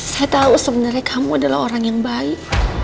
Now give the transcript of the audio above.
saya tahu sebenarnya kamu adalah orang yang baik